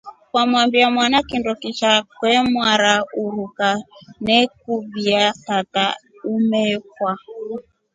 Kwambia mwana kindo kisha chemwara uruka nekuvia tata umekwa.